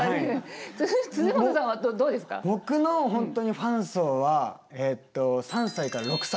僕の本当にファン層はえっと３歳から６歳。